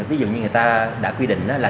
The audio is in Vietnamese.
ví dụ như người ta đã quy định là